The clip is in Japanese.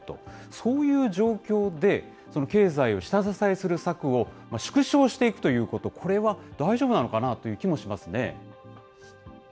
そういう状況で、経済を下支えする策を縮小していくということ、これは大丈夫なのかなという気もしますね。